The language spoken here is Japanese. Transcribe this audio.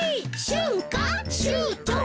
「しゅんかしゅうとう」